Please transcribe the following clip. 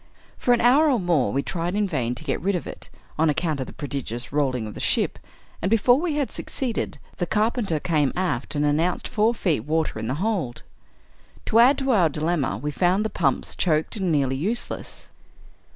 For an hour or more, we tried in vain to get rid of it, on account of the prodigious rolHng of the ship; and, before we had succeeded, the car penter came aft and announced four feet water in the hold. To add to our dilemma, we found the pumps choked and nearly useless.